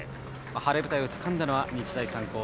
晴れ舞台をつかんだのは日大三高。